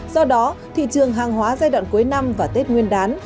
do đó thị trường hàng hóa giai đoạn cuối năm và tết nguyên đán